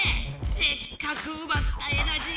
せっかくうばったエナジーが！